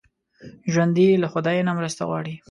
ژوندي له خدای نه مرسته غواړي